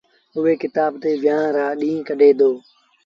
اُئي ڪتآب تي ويهآݩ رآ ڏيٚݩهݩ ڪڍي دو۔